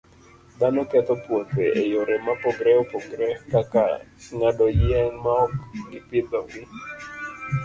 Dhano ketho puothe e yore mopogore opogore, kaka ng'ado yien maok gipidhogi.